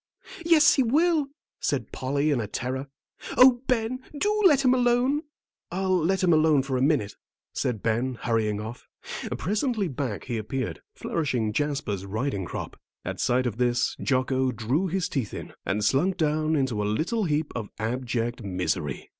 "Yes, he will," said Polly, in a terror. "Oh, Ben, do let him alone." "I'll let him alone for a minute," said Ben, hurrying off. Presently back he appeared, flourishing Jasper's riding crop. At sight of this Jocko drew his teeth in, and slunk down into a little heap of abject misery.